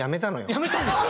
やめたんですか？